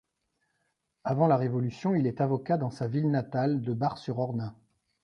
Avant la Révolution, il est avocat dans sa ville natale de Bar-sur-Ornain.